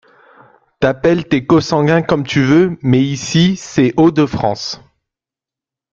t’appelles tes consanguins comme tu veux, mais ici, c’est Hauts-de-France.